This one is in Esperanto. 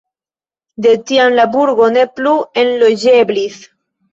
De tiam la burgo ne plu enloĝeblis.